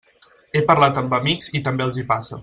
He parlat amb amics i també els hi passa.